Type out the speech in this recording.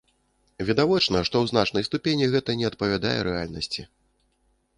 Відавочна, што ў значнай ступені гэта не адпавядае рэальнасці.